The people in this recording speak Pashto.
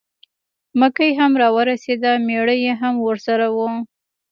مکۍ هم را ورسېده مېړه یې هم ورسره و.